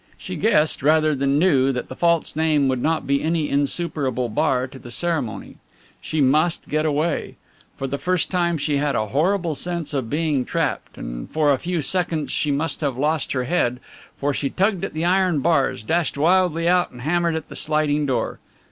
She guessed rather than knew that the false name would not be any insuperable bar to the ceremony. She must get away. For the first time she had a horrible sense of being trapped, and for a few seconds she must have lost her head, for she tugged at the iron bars, dashed wildly out and hammered at the sliding door.